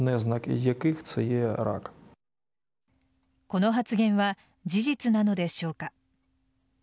この発言は事実なのでしょうか。